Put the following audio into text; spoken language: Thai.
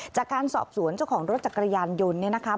จากการสอบสวนเจ้าของรถจักรยานยนต์เนี่ยนะคะ